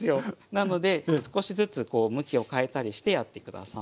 なので少しずつこう向きを変えたりしてやって下さい。